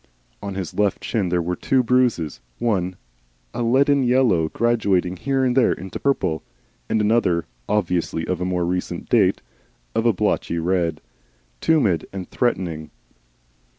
On his left shin there were two bruises, one a leaden yellow graduating here and there into purple, and another, obviously of more recent date, of a blotchy red tumid and threatening.